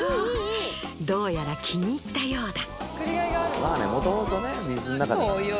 どうやら気に入ったようだ。